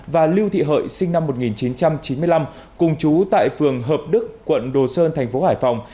và lưu thị hợi sinh năm một nghìn chín trăm chín mươi năm cùng chú tại phường hợp đức quận đồ sơn thành phố hải phòng